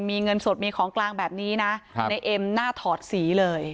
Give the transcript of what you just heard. มีเงินสดมีของกลางแบบนี้นะในเอ็มน่าถอดสีเลย